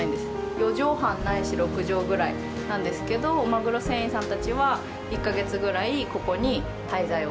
４畳半ないし６畳ぐらいなんですけどマグロ船員さんたちは１か月ぐらいここに滞在をして。